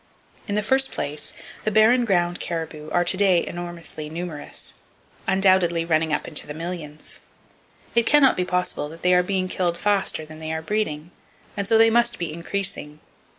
In the first place, the barren ground caribou are to day enormously numerous,—undoubtedly running up into millions. It can not be possible that they are being killed faster than they are breeding; and so they must be increasing.